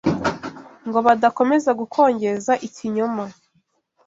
ngo badakomeza gukongeza ikinyoma